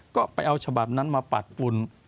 ก็ไปเอาฉบับนั้นมาปัดปุ่น